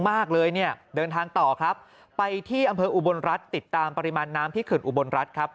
มากเลยเนี่ยเดินทางต่อครับไปที่อำเภออุบลรัฐติดตามปริมาณน้ำที่เขื่อนอุบลรัฐครับ